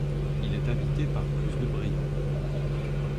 Il est habité par plus de Brayons.